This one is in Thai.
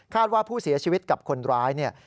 ว่าผู้เสียชีวิตกับคนร้ายเนี่ย